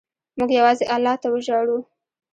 موږ یوازې الله ته وژاړو.